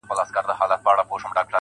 خوله يوه ښه ده، خو خبري اورېدل ښه دي,